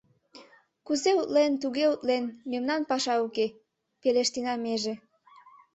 — Кузе утлен, туге утлен, мемнан паша уке, — пелештена меже...